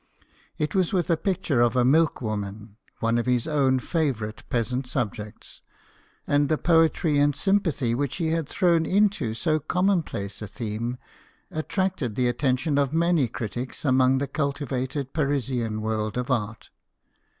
It was with a picture of a milkwoman, one of his own favourite peasant subjects ; and the poetry and sympathy which he had thrown into so common place a theme attracted the attention of many critics among the cultivated Parisian world of art.